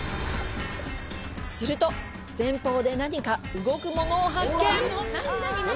すると、前方で何か動くモノを発見！